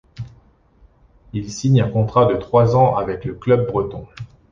Il signe un contrat de trois ans avec le club breton.